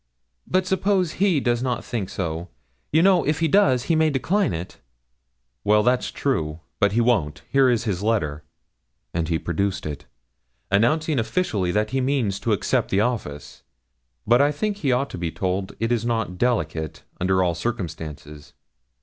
'But suppose he does not think so. You know, if he does, he may decline it.' 'Well that's true but he won't. Here is his letter' and he produced it 'announcing officially that he means to accept the office; but I think he ought to be told it is not delicate, under all circumstances.